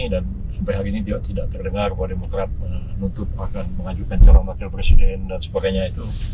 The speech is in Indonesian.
dan sampai hari ini tidak terdengar bahwa demokrat menuntut akan mengajukan calon wakil presiden dan sebagainya itu